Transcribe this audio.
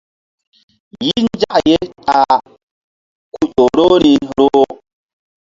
Yih nzak ye ta a ku ƴo roh ni roh.